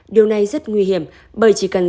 điều này rất nguy hiểm bởi chỉ cần